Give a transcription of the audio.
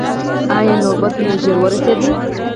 ایا نوبت مو ژر ورسید؟